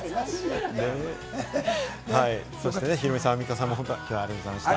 ヒロミさん、アンミカさんも今日はありがとうございました。